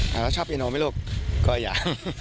แล้วชอบอีโนค์ไหมลูกก็ยัง